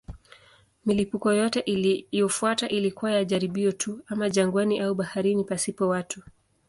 Milipuko yote iliyofuata ilikuwa ya jaribio tu, ama jangwani au baharini pasipo watu.